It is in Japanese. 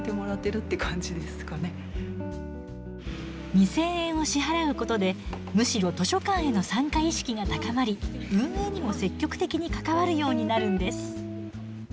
２，０００円を支払うことでむしろ図書館への参加意識が高まり運営にも積極的に関わるようになるんです。